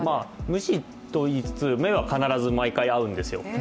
無視といいつつ、目は必ず合うんですよ。